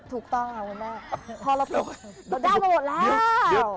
ถูกต้องพอเราได้มาหมดแล้ว